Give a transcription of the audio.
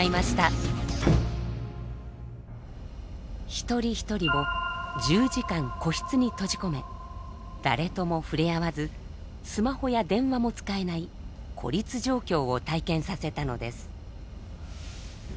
一人一人を１０時間個室に閉じ込め誰とも触れ合わずスマホや電話も使えない孤立状況を体験させたのです。